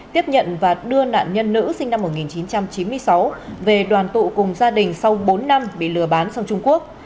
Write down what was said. tiếp nhận và đưa nạn nhân nữ sinh năm một nghìn chín trăm chín mươi sáu về đoàn tụ cùng gia đình sau bốn năm bị lừa bán sang trung quốc